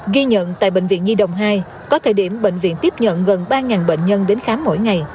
ghi nhận tại bệnh viện nhi đồng hai có thời điểm bệnh viện tiếp nhận gần ba bệnh nhân đến khám mỗi ngày